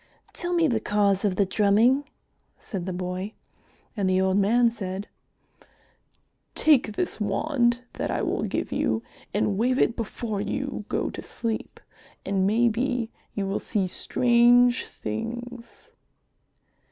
"Tell me the cause of the drumming," said the boy. And the old man said, "Take this wand that I will give you and wave it before you go to sleep, and maybe you will see strange things."